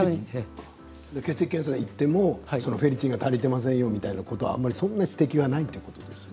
血液検査で行ってもフェリチンが足りていませんよみたいなことはそんなに指摘がないということですか？